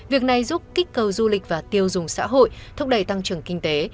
việc này giúp kích cầu du lịch và tiêu dùng xã hội thúc đẩy tăng trưởng kinh tế